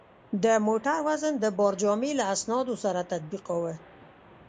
د موټر وزن د بارجامې له اسنادو سره تطبیقاوه.